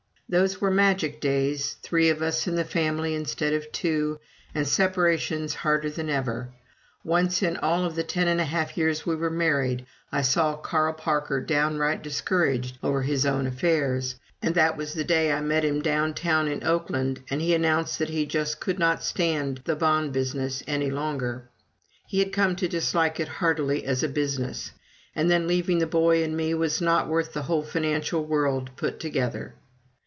Those were magic days. Three of us in the family instead of two and separations harder than ever. Once in all the ten and a half years we were married I saw Carl Parker downright discouraged over his own affairs, and that was the day I met him down town in Oakland and he announced that he just could not stand the bond business any longer. He had come to dislike it heartily as a business; and then, leaving the boy and me was not worth the whole financial world put together.